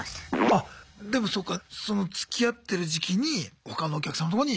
あっでもそうかそのつきあってる時期に他のお客さんのとこに。